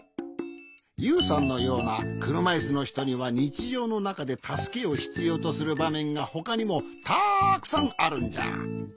ユウさんのようなくるまいすのひとにはにちじょうのなかでたすけをひつようとするばめんがほかにもたくさんあるんじゃ。